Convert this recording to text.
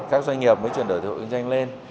các doanh nghiệp mới chuyển đổi từ hộ kinh doanh lên